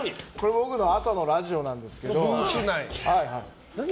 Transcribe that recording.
僕の朝のラジオなんですけど。